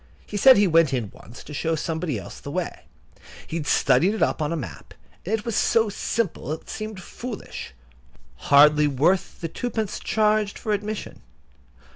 He said he went in once to show somebody else the way. He had studied it up in a map, and it was so simple that it seemed foolish—hardly worth the twopence charged for admission.